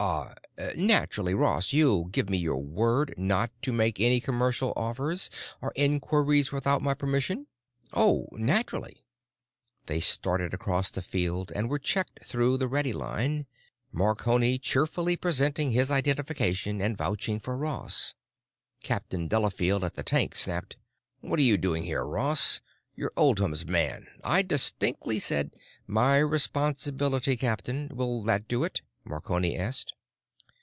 Uh—naturally, Ross, you'll give me your word not to make any commercial offers or inquiries without my permission." "Oh. Naturally." They started across the field and were checked through the ready line, Marconi cheerfully presenting his identification and vouching for Ross. Captain Delafield, at the tank, snapped, "What are you doing here, Ross? You're Oldham's man. I distinctly said——" "My responsibility, Captain. Will that do it?" Marconi asked.